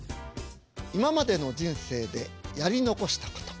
今までの人生でやり残したこと。